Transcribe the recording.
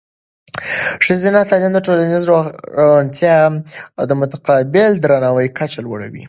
ښځینه تعلیم د ټولنیزې روڼتیا او د متقابل درناوي کچه لوړوي.